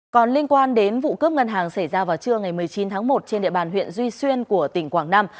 còn liên quan đến vụ cướp ngân hàng xảy ra vào trưa ngày một mươi chín tháng một trên địa bàn huyện duy xuyên của tỉnh quảng nam